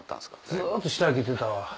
ずっとしらけてたわ。